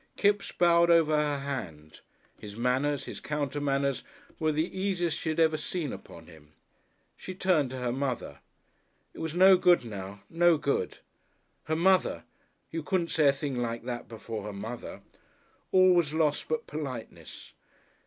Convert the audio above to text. Kipps bowed over her hand. His manners, his counter manners, were the easiest she had ever seen upon him. She turned to her mother. It was no good now, no good. Her mother! You couldn't say a thing like that before her mother! All was lost but politeness.